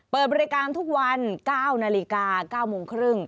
เปิดบริการทุกวัน๙นาฬิกา๙โมงครึ่ง